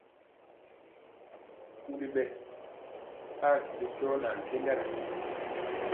Kuli ɓɛ aa sili jɔɔ nɛ ankendala.